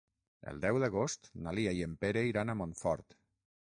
El deu d'agost na Lia i en Pere iran a Montfort.